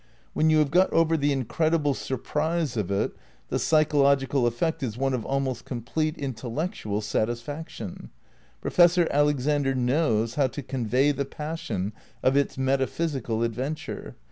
When you have got over the incredible surprise of it, the psychological effect is one of almost complete intellectual satisfac tion. Professor Alexander knows how to convey the passion of its metaphysical adventure.